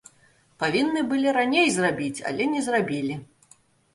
Павінны былі раней зрабіць, але не зрабілі.